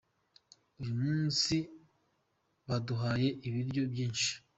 Uyu munsi baduhaye ibiryo byinshi.